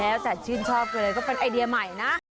แล้วแต่ชื่นชอบกันเลยก็เป็นไอเดียใหม่นะ